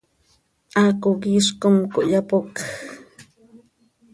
Haaco quih iizc com cohyapocj.